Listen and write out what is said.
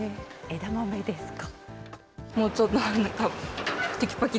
枝豆ですか。